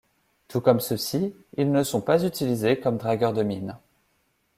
Tout comme ceux-ci, ils ne sont pas utilisés comme dragueurs de mines.